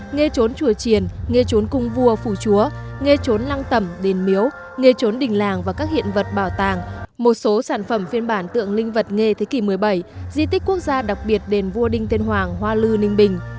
nghe trốn chùa triền nghe trốn cung vua phù chúa nghe trốn lăng tẩm đền miếu nghề trốn đình làng và các hiện vật bảo tàng một số sản phẩm phiên bản tượng linh vật nghề thế kỷ một mươi bảy di tích quốc gia đặc biệt đền vua đinh tiên hoàng hoa lư ninh bình